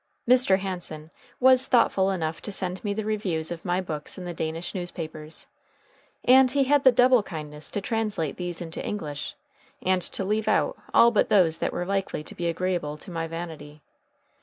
Mr. Hansen was thoughtful enough to send me the reviews of my books in the Danish newspapers; and he had the double kindness to translate these into English and to leave out all but those that were likely to be agreeable to my vanity.